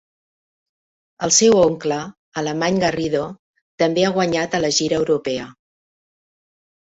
El seu oncle, Alemany Garrido, també ha guanyat a la gira europea.